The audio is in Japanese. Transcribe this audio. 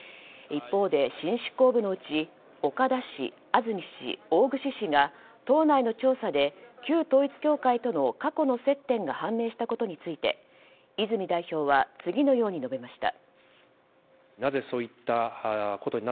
一方で新執行部のうち岡田氏、安住氏、大串氏が党内の調査で旧統一教会との過去の接点が判明したことについて、泉代表は次のように述べました。